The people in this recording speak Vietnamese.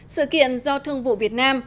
sự kiện do thương vụ việt nam